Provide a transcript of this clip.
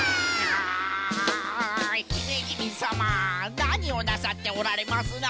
なにをなさっておられますな？